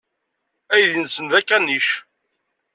Aydi-nsen d akanic.